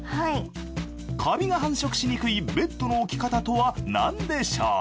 カビが繁殖しにくいベッドの置き方とはなんでしょう？